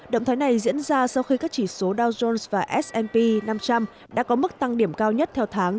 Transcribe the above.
động thái này diễn ra sau khi các chỉ số dow jones và s p năm trăm linh đã có mức tăng điểm cao nhất theo tháng